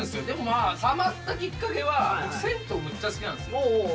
でもまあ、はまったきっかけは僕、銭湯むっちゃ好きなんですよ。